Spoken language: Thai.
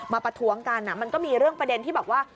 ประท้วงกันมันก็มีเรื่องประเด็นที่แบบว่า